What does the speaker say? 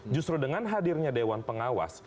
justru dengan hadirnya dewan pengawas